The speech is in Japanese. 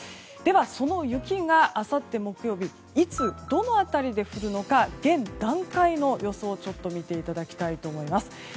では、その雪があさって木曜日いつ、どの辺りで降るのか現段階の予想を見ていただきたいと思います。